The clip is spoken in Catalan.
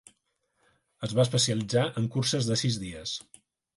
Es va especialitzar en curses de sis dies.